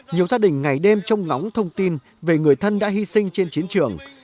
nhiều gia đình ngày đêm trông ngóng thông tin về người thân đã hy sinh trên chiến trường